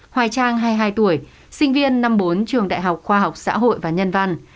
hoài trang hai mươi hai tuổi sinh viên năm bốn trường đại học khoa học xã hội và nhân văn